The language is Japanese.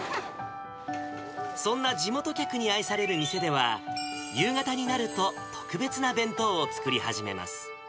そんな地元客に愛される店では、夕方になると特別な弁当を作り始めます。